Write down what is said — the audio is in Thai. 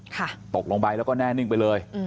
ตกลงไปแล้วก็แน่นิ่งไปเลย